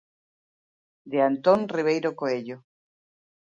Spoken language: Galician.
De Antón Riveiro Coello.